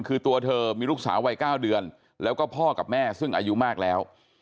คือตัวเธอมีลูกสาววัย๙เดือนแล้วก็พ่อกับแม่ซึ่งอายุมากแล้ว